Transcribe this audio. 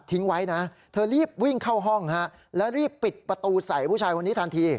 ไว้นะเธอรีบวิ่งเข้าห้องฮะแล้วรีบปิดประตูใส่ผู้ชายคนนี้ทันที